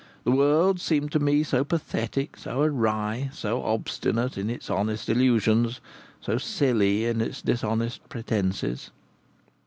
The world seemed to me so pathetic, so awry, so obstinate in its honest illusions, so silly in its dishonest pretences.